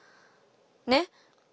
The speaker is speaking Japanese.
ねっ！